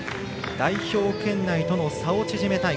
代表圏内との差を縮めたい。